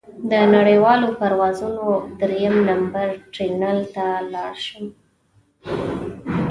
د نړیوالو پروازونو درېیم نمبر ټرمینل ته لاړ شم.